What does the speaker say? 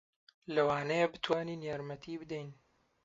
لەوانەیە بتوانین یارمەتی بدەین.